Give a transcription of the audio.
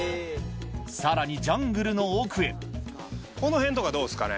さらにジャングルの奥へこの辺とかどうですかね。